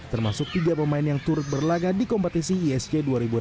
termasuk tiga pemain yang turut berlaga di kompetisi isg dua ribu enam belas